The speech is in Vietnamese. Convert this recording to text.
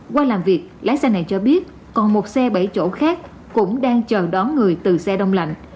qua làm việc lái xe này cho biết còn một xe bảy chỗ khác cũng đang chờ đón người từ xe đông lạnh